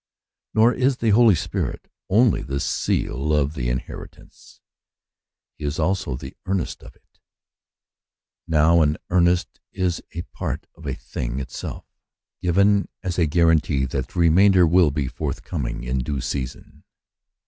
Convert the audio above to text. Nor is the Holy Spirit only the seal of the inheritance, he is also the earnest of it. Now an earnest is a part of the thing itself, given as a guarantee that the remainder will be forthcoming in due season.